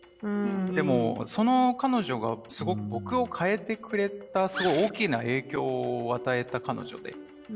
でもその彼女がすごく僕を変えてくれた大きな影響を与えた彼女で。